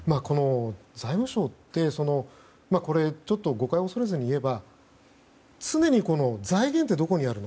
財務省ってちょっと誤解を恐れずに言えば常に財源ってどこにあるの。